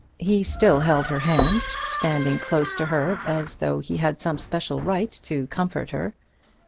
He still held her hands, standing close to her, as though he had some special right to comfort her.